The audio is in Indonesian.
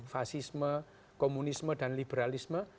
fasisme komunisme dan liberalisme